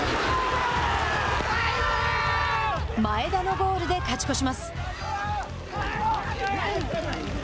前田のゴールで勝ち越します。